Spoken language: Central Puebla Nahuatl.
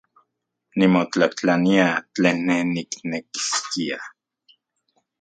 Nimotlajtlania tlen ne niknekiskia.